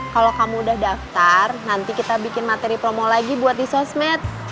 kalau kamu udah daftar nanti kita bikin materi promo lagi buat di sosmed